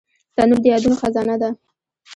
تنور د یادونو خزانه ده